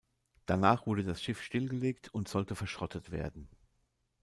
Danach wurde das Schiff stillgelegt und sollte verschrottet werden.